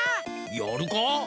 やるか。